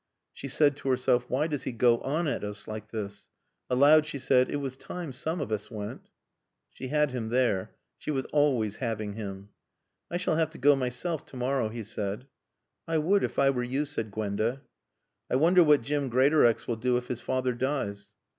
She said to herself, "Why does he go on at us like this?" Aloud she said, "It was time some of us went." She had him there. She was always having him. "I shall have to go myself tomorrow," he said. "I would if I were you," said Gwenda. "I wonder what Jim Greatorex will do if his father dies."